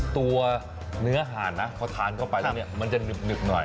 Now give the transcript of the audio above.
ตัวเนื้อหาดนะพอทานเข้าไปแล้วเนี่ยมันจะหนึบหน่อย